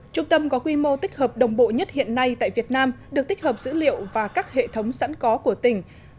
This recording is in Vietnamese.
trung tâm có quy mô tích hợp đồng bộ nhất hiện nay tại việt nam được tích hợp dữ liệu và các hệ thống sẵn có của tỉnh